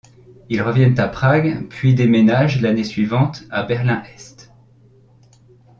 Ils reviennent à Prague puis déménagent l'année suivante à Berlin-Est.